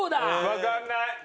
わかんない！